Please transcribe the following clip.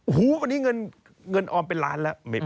โอ้โหอันนี้เงินออมเป็นล้านแหละ